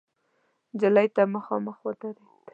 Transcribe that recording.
نجلۍ ته مخامخ ودرېد.